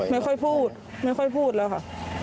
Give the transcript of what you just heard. ไม่ค่อยพูดไม่ค่อยพูดแล้วค่ะ